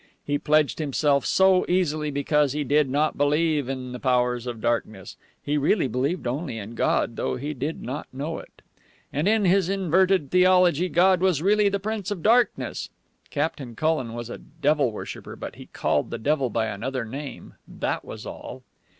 He pledged himself so easily because he did not believe in the Powers of Darkness. He really believed only in God, though he did not know it. And in his inverted theology God was really the Prince of Darkness. Captain Cullen was a devil worshipper, but he called the devil by another name, that was all.